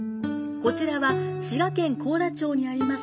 こちらは、滋賀県甲良町にあります